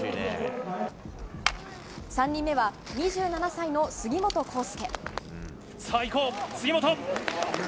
３人目は２７歳の杉本幸祐。